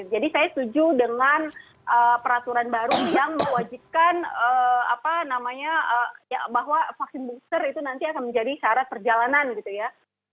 jadi saya setuju dengan peraturan baru yang mewajibkan bahwa vaksin booster itu nanti akan menjadi syarat perjalanan gitu ya